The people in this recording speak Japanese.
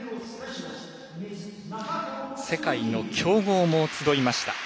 世界の強豪も集いました。